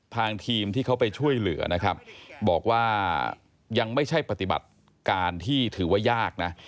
ทางทีมที่เขาไปช่วยเหลือนะครับบอกว่ายังไม่ใช่ปฏิบัติการที่ถือว่ายากนะ